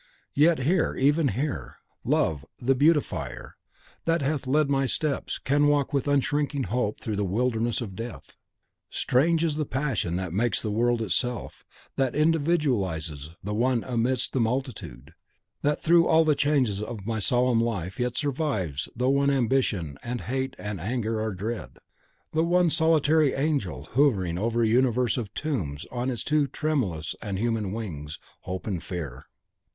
Yet here, even here, Love, the Beautifier, that hath led my steps, can walk with unshrinking hope through the wilderness of Death. Strange is the passion that makes a world in itself, that individualises the One amidst the Multitude; that, through all the changes of my solemn life, yet survives, though ambition and hate and anger are dead; the one solitary angel, hovering over a universe of tombs on its two tremulous and human wings, Hope and Fear!